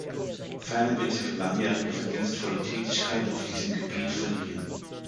Ferner wird sie für langjährige verdienstvolle Tätigkeit auf diesem Gebiet verliehen.